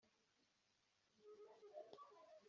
kugitera mo intera